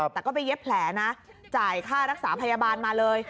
แต่ก็ไปเย็บแผลนะจ่ายค่ารักษาพยาบาลมาเลย